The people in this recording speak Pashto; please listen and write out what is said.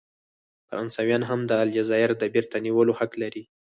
فرانسویان هم د الجزایر د بیرته نیولو حق لري.